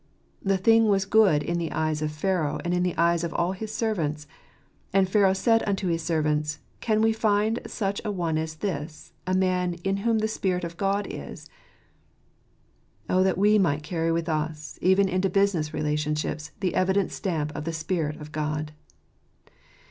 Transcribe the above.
" The thing was good in the eyes of Pharaoh, and in the eyes of all his servants. And Pharaoh said unto his servants, Can we find such an one as this is, a man in whom the Spirit of God is ?" Oh that we might cany with us, even into business relationships, the evident stamp of the Spirit of God